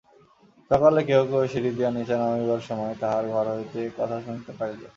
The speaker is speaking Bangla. সকালে কেহ কেহ সিঁড়ি দিয়া নীচে নামিবার সময় তাহার ঘর হইতে কথা শুনিতে পাইল।